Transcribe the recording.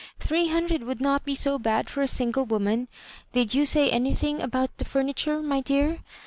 Three hundred would not be so bad for a single woman. Did you say anything about the furniture, my dear?"